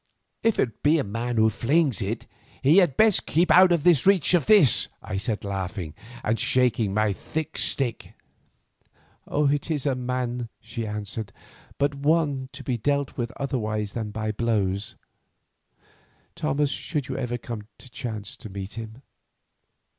"If it be a man who flings it, he had best keep out of reach of this," I said, laughing, and shaking my thick stick. "It is a man," she answered, "but one to be dealt with otherwise than by blows, Thomas, should you ever chance to meet him."